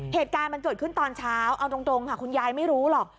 เหตุการณ์มันเกิดขึ้นตอนเช้าเอาตรงค่ะคุณยายไม่รู้หรอก